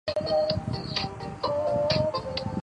所用的传热介质称为热载体。